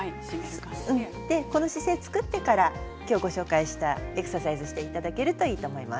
この姿勢を作ってから今日ご紹介したエクササイズをしていただけるといいと思います。